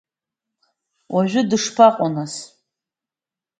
Уажәы лышԥаҟоу, нас?